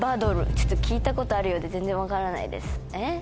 ちょっと聞いたことあるようで全然分からないですえっ？